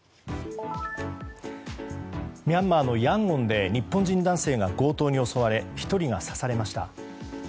ミャンマーのヤンゴンで日本人男性が強盗に襲われ１人が刺されました。